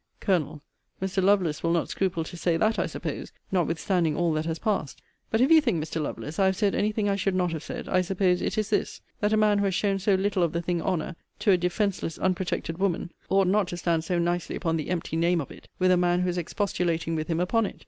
Col. Mr. Lovelace will not scruple to say that, I suppose, notwithstanding all that has passed: but if you think, Mr. Lovelace, I have said any thing I should not have said, I suppose it is this, that the man who has shown so little of the thing honour, to a defenceless unprotected woman, ought not to stand so nicely upon the empty name of it, with a man who is expostulating with him upon it.